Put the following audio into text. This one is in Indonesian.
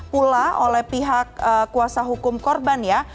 pula oleh pihak kuasa hukum korban ya